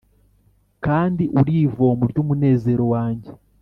kandi urivomo ryumunezero wanjye